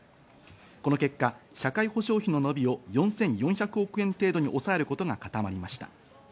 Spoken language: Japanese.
この結果、社会保障費の伸びを４４００億円程度に抑えることが固まりました。